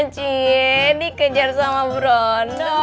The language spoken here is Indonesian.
ciee dikejar sama brondong